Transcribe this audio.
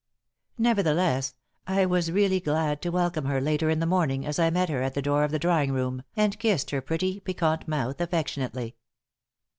Nevertheless, I was really glad to welcome her later in the morning as I met her at the door of the drawing room, and kissed her pretty, piquante mouth affectionately.